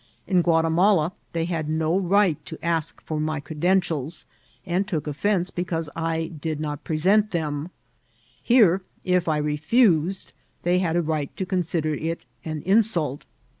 In Guatimala they had no right to ask for my credentials, and took offence because I did not present them ; here, if I refused, they had a right to consider it an insult.